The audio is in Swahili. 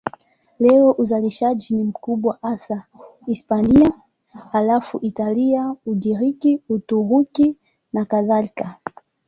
Leo uzalishaji ni mkubwa hasa Hispania, halafu Italia, Ugiriki, Uturuki nakadhalika.